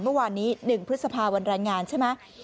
เมื่อวานนี้๑พฤษภาวันแรงงานใช่ไหม